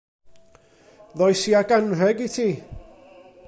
Ddois i ag anrheg i ti.